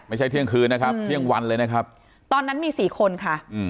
เที่ยงคืนนะครับเที่ยงวันเลยนะครับตอนนั้นมีสี่คนค่ะ